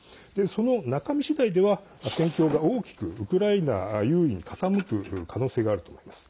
その中身次第では戦況が大きくウクライナ優位に傾く可能性があると思います。